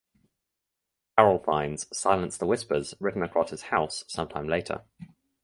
Daryl finds "Silence the Whispers" written across his house sometime later.